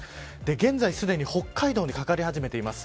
現在すでに北海道にかかり始めています。